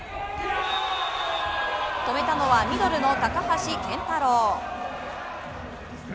止めたのはミドルの高橋健太郎。